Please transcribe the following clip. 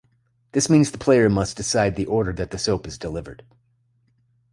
This means the player must decide the order that the soap is delivered.